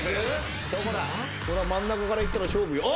真ん中からいったら勝負よ。